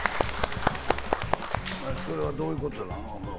それはどういうことなの？